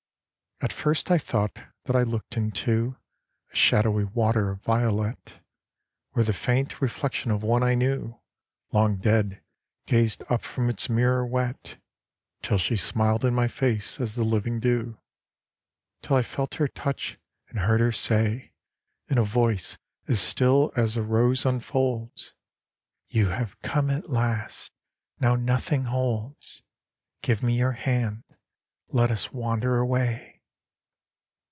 At first I thought that I looked into A shadowy water of violet, Where the faint reflection of one I knew, Long dead, gazed up from its mirror wet, Till she smiled in my face as the living do: Till I felt her touch, and heard her say, In a voice as still as a rose unfolds, "You have come at last: now nothing holds: Give me your hand: let us wander away.